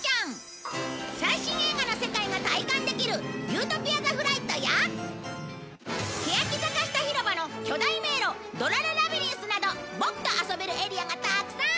最新映画の世界が体感できる理想郷ザ・フライトやけやき坂下ひろばの巨大迷路ドラ・ラ・ラビリンスなどボクと遊べるエリアがたくさん